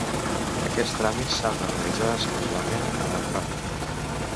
Aquests tràmits s'han de realitzar exclusivament en electrònic.